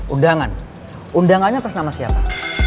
undangan undangannya atas nama siapa